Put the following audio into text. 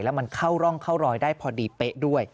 แล้วมันเข้าร่องเข้ารอยได้พอดีเป๊ะด้วย